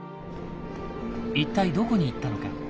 一体どこに行ったのか。